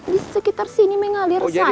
di sekitar sini mengalir saja ibu